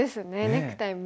ネクタイも。